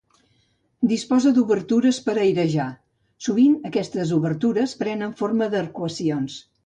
Disposa d'obertures per a airejar, sovint aquestes obertures prenen forma d'arcuacions.